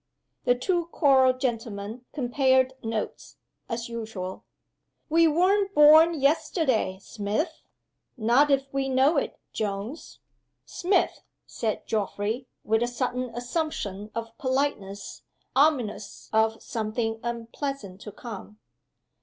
The two choral gentlemen compared notes, as usual. "We weren't born yesterday, Smith?" "Not if we know it, Jones." "Smith!" said Geoffrey, with a sudden assumption of politeness ominous of something unpleasant to come.